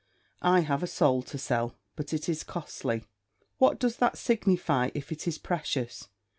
"I have a soul to sell, but it is costly." "What does that signify if it is precious?